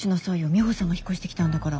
ミホさんが引っ越してきたんだから。